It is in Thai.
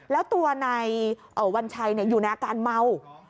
แล้วตัวนายวัญชัยอยู่ในอาการเมา